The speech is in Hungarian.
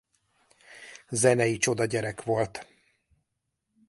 Zenei csodagyerek volt.